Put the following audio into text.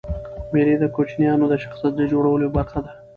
مېلې د کوچنيانو د شخصیت د جوړولو یوه برخه ده.